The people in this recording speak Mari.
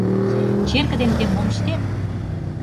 — Черке дене ынде мом ыштет?